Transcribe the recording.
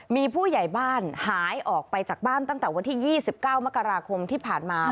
มีผู้ใหญ่บ้านหายออกไปจากบ้านตั้งแต่วันที่๒๙มกราคมที่ผ่านมา